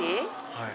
はい。